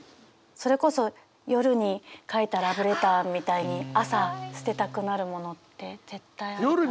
それこそ夜に書いたラブレターみたいに朝捨てたくなるものって絶対あるから。